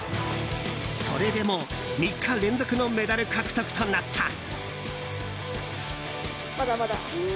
それでも３日連続のメダル獲得となった。